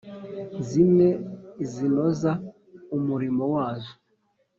Zimwe zinoza umurimo wazo